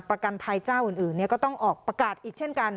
ประกันภัยเจ้าอื่นก็ต้องออกประกาศอีกเช่นกัน